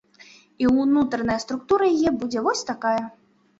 І ўнутраная структура яе будзе вось такая.